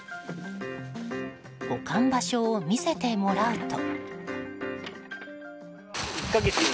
保管場所を見せてもらうと。